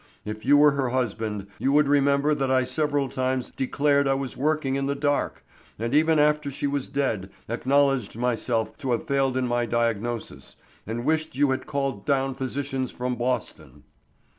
If you were her husband, you would remember that I several times declared I was working in the dark, and even after she was dead acknowledged myself to have failed in my diagnosis, and wished you had called down physicians from Boston."